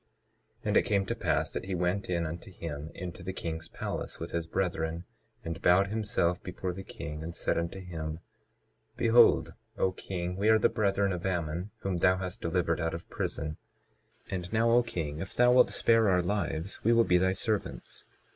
22:2 And it came to pass that he went in unto him into the king's palace, with his brethren, and bowed himself before the king, and said unto him: Behold, O king, we are the brethren of Ammon, whom thou hast delivered out of prison. 22:3 And now, O king, if thou wilt spare our lives, we will be thy servants.